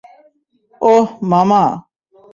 ওহ, মামা।